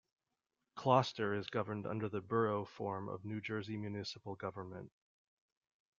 Closter is governed under the Borough form of New Jersey municipal government.